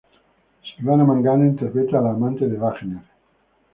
Silvana Mangano interpreta a la amante de Wagner.